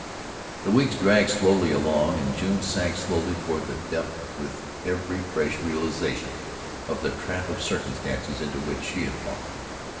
The weeks dragged slowly along, and June sank slowly toward the depths with every fresh realization of the trap of circumstance into which she had fallen.